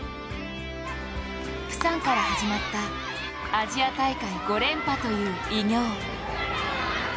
釜山から始まったアジア大会５連覇という偉業。